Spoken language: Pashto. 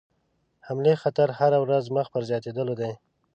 حملې خطر هره ورځ مخ پر زیاتېدلو دی.